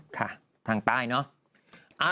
ค่ะทางใต้เนอะ